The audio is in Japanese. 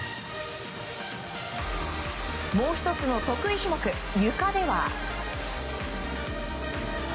もう１つの得意種目ゆかでは。